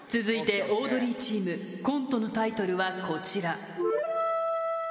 続いてオードリーチームコントのタイトルはこちら。